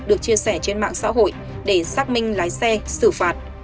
được chia sẻ trên mạng xã hội để xác minh lái xe xử phạt